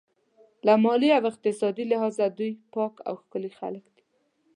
له مالي او اقتصادي لحاظه دوی پاک او ښکلي خلک دي.